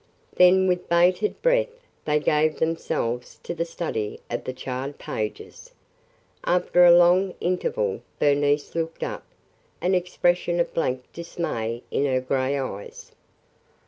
Then, with bated breath, they gave themselves to the study of the charred pages. After a long interval, Bernice looked up, an expression of blank dismay in her gray eyes.